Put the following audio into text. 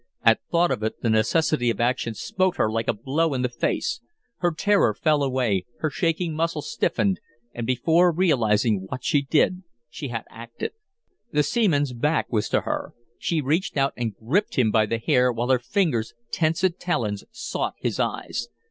At thought of it, the necessity of action smote her like a blow in the face. Her terror fell away, her shaking muscles stiffened, and before realizing what she did she had acted. The seaman's back was to her. She reached out and gripped him by the hair, while her fingers, tense as talons, sought his eyes.